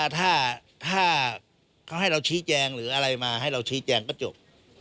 ถ้าเขาให้เราชี้แจงหรืออะไรมาให้เราชี้แจงก็จบ